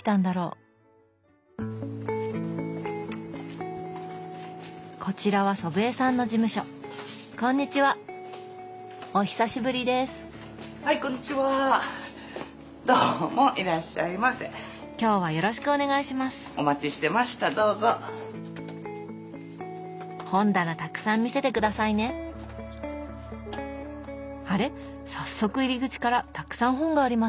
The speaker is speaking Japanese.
早速入り口からたくさん本がありますね。